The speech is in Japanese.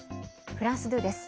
フランス２です。